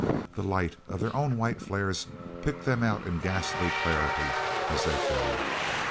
The light of their own white flares picked them out in ghastly clarity as they fell.